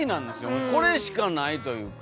もうこれしかないというか。